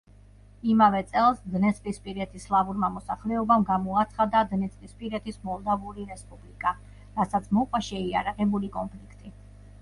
იმავე წელს დნესტრისპირეთის სლავურმა მოსახლეობამ გამოაცხადა დნესტრისპირეთის მოლდავური რესპუბლიკა, რასაც მოჰყვა შეიარაღებული კონფლიქტი.